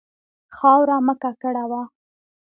خاوره مه ککړوه.